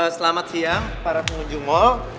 selamat siang para pengunjung mall